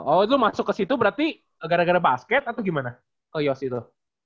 oh itu masuk ke situ berarti gara gara basket atau gimana ke yos itu